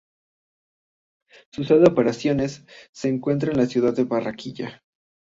Su sede de operaciones se encuentra en la ciudad de Barranquilla.